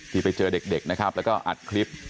ที่ไปเจอเด็กนะครับแล้วก็อัดคลิป